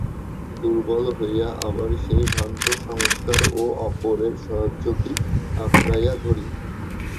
দুর্বল হইয়া আবার সেই ভ্রান্ত সংস্কার ও অপরের সাহায্যকেই আঁকড়াইয়া ধরি।